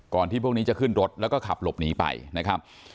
ที่พวกนี้จะขึ้นรถแล้วก็ขับหลบหนีไปนะครับ